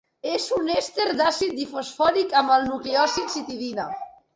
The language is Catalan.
És un èster d'àcid difosfòric amb el nucleòsid citidina.